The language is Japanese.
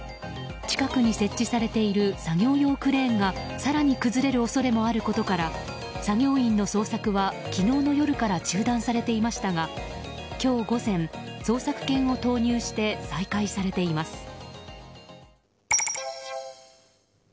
近くに設置されている作業用クレーンが更に崩れる恐れもあることから作業員の捜索は昨日の夜から中断されていましたが今日午前、捜索犬を投入して再開されています。